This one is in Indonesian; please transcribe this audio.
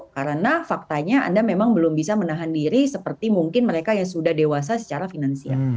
karena faktanya anda memang belum bisa menahan diri seperti mungkin mereka yang sudah dewasa secara finansial